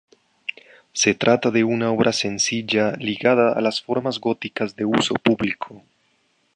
Se trata de una obra sencilla ligada a las formas góticas de uso público.